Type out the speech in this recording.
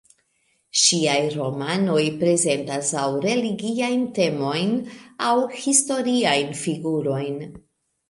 Ŝiaj romanoj prezentas aŭ religiajn temojn, aŭ historiajn figurojn.